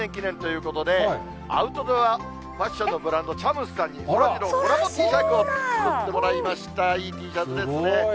実は日本テレビ開局７０年記念ということで、アウトドアファッションのブランド、チャムスさんに、そらジロー、コラボＴシャツを作ってもらいました。